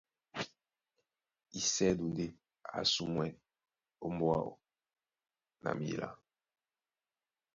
Isɛ́du ndé a ásumwɛ́ ómbóá áō na mǐlá,